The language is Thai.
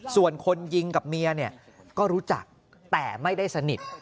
ส่วนคนยิงกับเมียเนี่ยก็รู้จักแต่ไม่ได้สนิท